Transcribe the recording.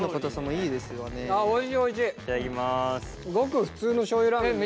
ごく普通のしょうゆラーメンですね。